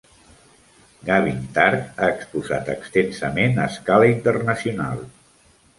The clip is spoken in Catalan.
Gavin Turk ha exposat extensament a escala internacional.